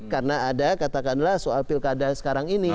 karena ada katakanlah soal pilkada sekarang ini